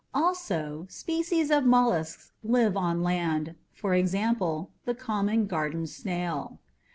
Also, species of mollusks live on land for example the common garden snail.